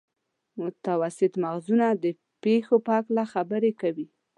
متوسط مغزونه د پېښو په هکله خبرې کوي.